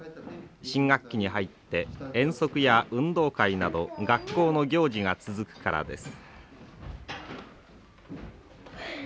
新学期に入って遠足や運動会など学校の行事が続くからです。